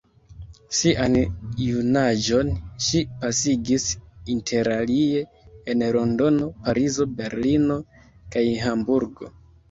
Sian junaĝon ŝi pasigis interalie en Londono, Parizo, Berlino kaj Hamburgo.